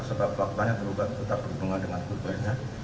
sebab waktunya tergugat tetap berhubungan dengan tergugatnya